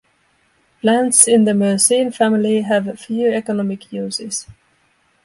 Plants in the myrsine family have few economic uses.